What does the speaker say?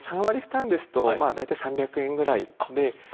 ３割負担ですと大体３００円ぐらいで。